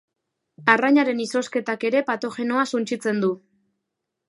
Arrainaren izozketak ere patogenoa suntsitzen du.